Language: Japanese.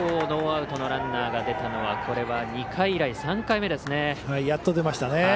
ノーアウトのランナーが出たのはこれは２回以来、３回目ですね。